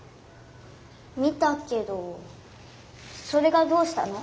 見たけどそれがどうしたの？